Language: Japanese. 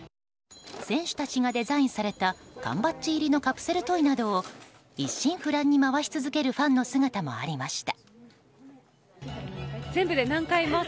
選手たちがデザインされた缶バッジ入りのカプセルトイなどを一心不乱に回し続けるファンの姿もありました。